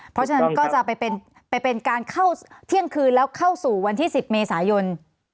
เพราะฉะนั้นก็จะไปเป็นการเข้าเที่ยงคืนแล้วเข้าสู่วันที่๑๐เมษายน